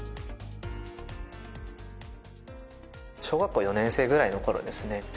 小学校４年生ぐらいの頃ですね